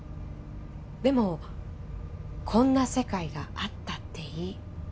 でもこんな世界があったっていい。